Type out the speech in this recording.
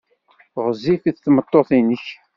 Ɣezzifet tmeṭṭut-nnek?